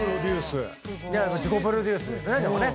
自己プロデュースですねでもね。